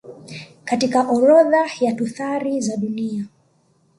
katika orodha ya tuthari za dunia